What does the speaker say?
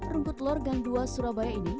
rumput lor gang dua surabaya ini